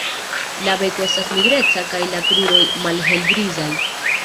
La beko estas nigreca kaj la kruroj malhelgrizaj.